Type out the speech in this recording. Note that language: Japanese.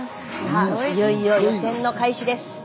さあいよいよ予選の開始です。